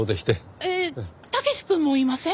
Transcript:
えっ武志くんもいません？